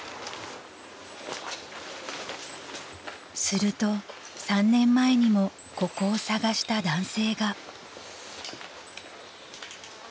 ［すると３年前にもここを捜した男性が］